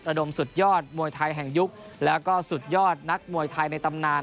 ระดมสุดยอดมวยไทยแห่งยุคแล้วก็สุดยอดนักมวยไทยในตำนาน